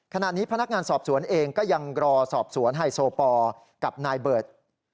ขณะนี้พนักงานสอบสวนเองก็ยังรอสอบสวนไฮโซปอร์กับนายเบิร์ต